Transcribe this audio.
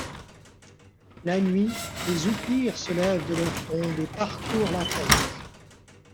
La nuit, les oupyrs se lèvent de leurs tombes et parcourent la terre.